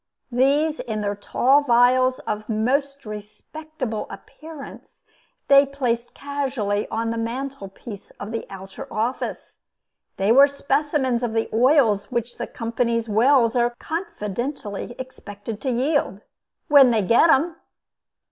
These, in their tall vials of most respectable appearance, they placed casually on the mantel piece of the outer office. They were specimens of the oils which the company's wells are confidently expected to yield when they get 'em!